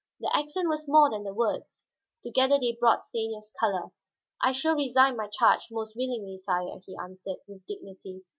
The accent was more than the words; together they brought Stanief's color. "I shall resign my charge most willingly, sire," he answered, with dignity.